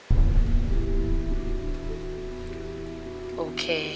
ขอบคุณครับ